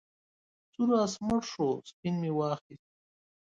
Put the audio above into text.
سور آس مړ شو سپین مې واخیست.